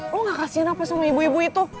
lo gak kasian apa sama ibu ibu itu